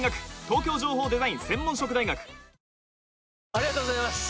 ありがとうございます！